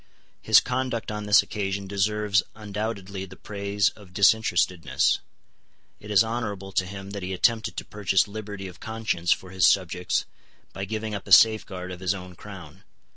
His conduct on this occasion deserves undoubtedly the praise of disinterestedness. It is honourable to him that he attempted to purchase liberty of conscience for his subjects by giving up a safeguard of his own crown.